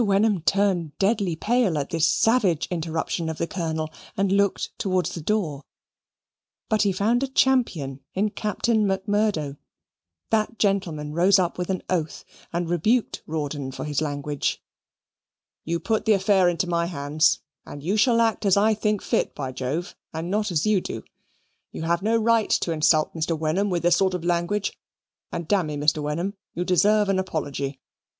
Wenham turned deadly pale at this savage interruption of the Colonel and looked towards the door. But he found a champion in Captain Macmurdo. That gentleman rose up with an oath and rebuked Rawdon for his language. "You put the affair into my hands, and you shall act as I think fit, by Jove, and not as you do. You have no right to insult Mr. Wenham with this sort of language; and dammy, Mr. Wenham, you deserve an apology.